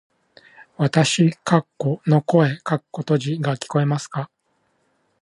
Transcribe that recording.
わたし（の声）が聞こえますか？